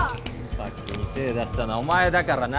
先に手出したのはお前だからな！